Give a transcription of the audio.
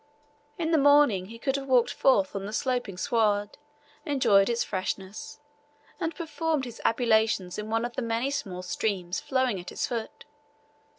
In the morning he could have walked forth on the sloping sward, enjoyed its freshness, and performed his ablutions in one of the many small streams flowing at its foot.